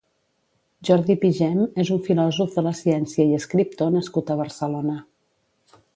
Jordi Pigem és un filòsof de la ciència i escriptor nascut a Barcelona.